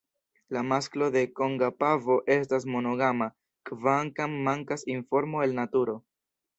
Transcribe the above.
La masklo de Konga pavo estas monogama, kvankam mankas informo el naturo.